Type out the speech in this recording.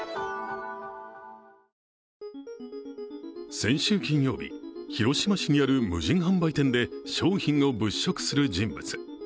先週金曜日、広島市にある無人販売店で商品を物色する人物。